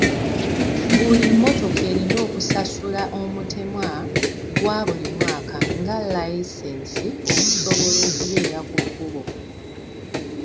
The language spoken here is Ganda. Buli mmotoka erina okusasula omutemwa gwa buli mwaka nga layisinsi okusobola okubeera ku kkubo.